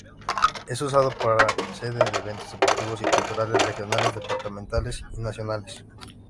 Es usado para sede de eventos deportivos y culturales, regionales, departamentales y nacionales.